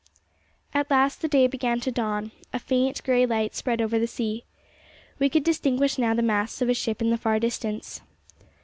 At last the day began to dawn; a faint grey light spread over the sea. We could distinguish now the masts of a ship in the far distance.